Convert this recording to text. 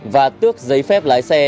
và tước giấy phép lái xe